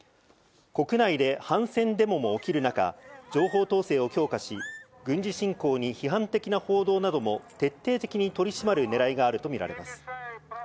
国内で反戦デモも起きる中、情報統制を強化し、軍事侵攻に批判的な報道なども徹底的に取り締まるねらいがあると見られます。